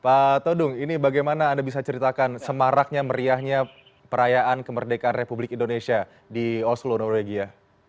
pak todung ini bagaimana anda bisa ceritakan semaraknya meriahnya perayaan kemerdekaan republik indonesia di oslo norwegia